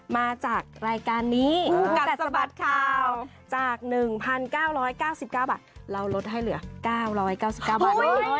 มาจากรายการนี้คู่กัดสะบัดข่าวจาก๑๙๙๙บาทเราลดให้เหลือ๙๙๙บาท